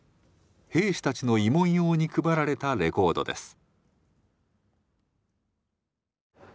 兵士たちの慰問用に配られたレコードです。